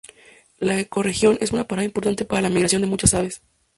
La ecorregión es una parada importante para la migración de muchas aves.